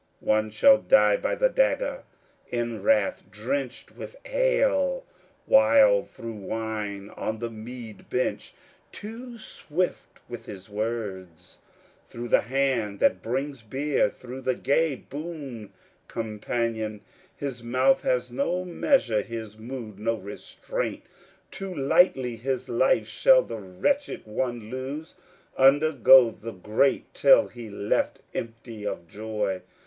One shall die by the dagger, in wrath, drenched with ale, Wild through wine, on the mead bench, too swift with his words; Through the hand that brings beer, through the gay boon companion, His mouth has no measure, his mood no restraint; Too lightly his life shall the wretched one lose, Undergo the great ill, be left empty of joy.